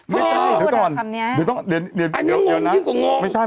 นี่พูดอ่านคำนี้อันนี้งงยิ่งกว่างงง